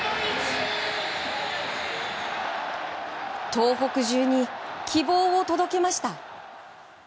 東北中に希望を届けました。